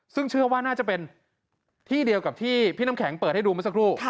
ซึ่งเชื่อว่าน่าจะเป็นที่เดียวกับที่พี่น้ำแข็งเปิดให้ดูเมื่อสักครู่